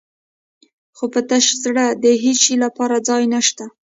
خو په تش زړه کې د هېڅ شي لپاره ځای نه شته.